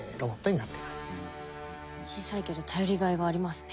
小さいけど頼りがいがありますね。